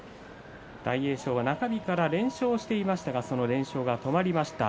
大栄翔は中日から連勝していましたが連勝が止まりました。